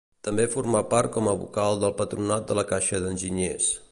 També formà part com a vocal del patronat de la Caixa d'Enginyers.